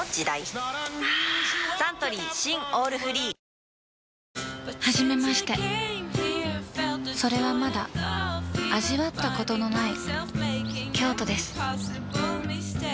はぁサントリー新「オールフリー」初めましてそれはまだ味わったことのない◆